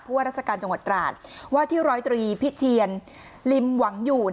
ผู้ว่ารัฐกาลจังหวัดตราศว่าที่๑๐๓พิเทียนลิมหวังอยู่